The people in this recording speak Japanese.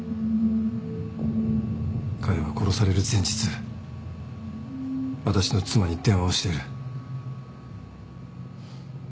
彼は殺される前日私の妻に電話をしてる。